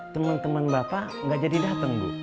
temen temen bapak gak jadi dateng bu